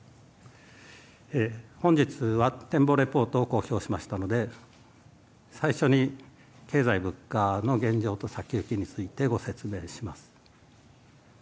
本日は展望レポートを公表しましたので、最初に経済・物価の現状と先行きについてご説明します。